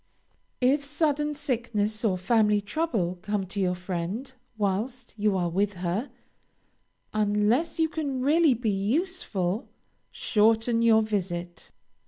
If sudden sickness or family trouble come to your friend whilst you are with her, unless you can really be useful, shorten your visit.